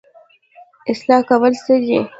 اصلاح کول څه دي؟